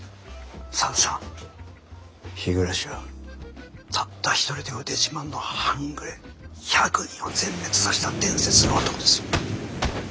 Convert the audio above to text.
沢田さん日暮はたった一人で腕自慢の半グレ１００人を全滅させた伝説の男です。